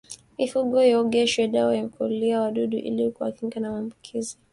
Mifugo iogeshwe dawa ya kuulia wadudu ili kuwakinga na maambukizi